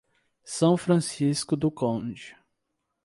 São Francisco do Conde